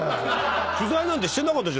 取材なんてしてなかったじゃ。